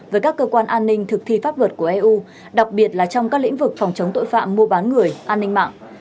với các cơ quan an ninh thực thi pháp luật của eu đặc biệt là trong các lĩnh vực phòng chống tội phạm mua bán người an ninh mạng